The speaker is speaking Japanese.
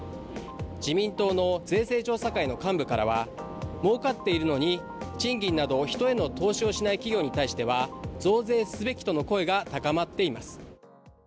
自民党の税制調査会の幹部からは儲かっているのに、賃金など人への投資をしない企業に対しては増税すべきとの声が高まっています。